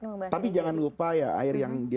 dengan bahasanya tapi jangan lupa ya air yang